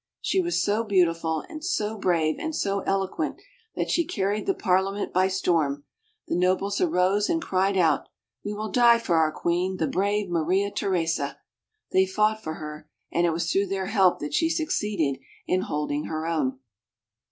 She was so beautiful, so brave, and so eloquent that she carried the Parliament by storm ; the nobles arose and cried out, Pressburg. "We will die for our queen, the brave Maria Theresa!" They fought for her, and it was through their help that she succeeded in holding her own.